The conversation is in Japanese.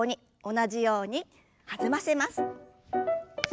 同じように弾ませます。